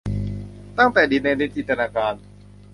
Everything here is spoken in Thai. ตั้งแต่ดินแดนในจินตนาการ